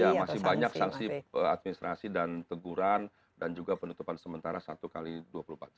ya masih banyak sanksi administrasi dan teguran dan juga penutupan sementara satu x dua puluh empat jam